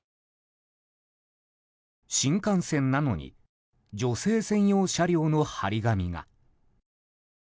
新幹線なのに女性専用車両の貼り紙が。